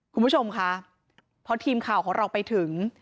คุณผู้ชมค่ะพอทีมข่าวของเราไปถึง